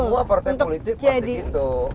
semua partai politik pasti gitu